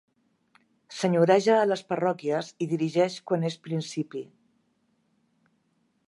Senyoreja a les parròquies i dirigeix quan és principi.